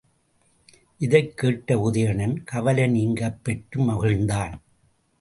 இதைக் கேட்டு உதயணன் கவலை நீங்கப் பெற்று மகிழ்ந்தான்.